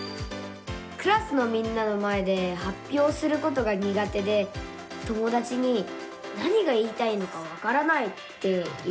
クラスのみんなの前ではっぴょうすることがにが手で友だちに「何が言いたいのかわからない」って言われちゃうんです。